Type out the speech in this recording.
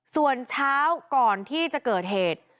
ส่วนเช้าก่อนที่จะเกิดเหตุ